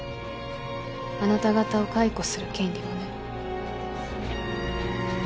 あなた方を解雇する権利もね。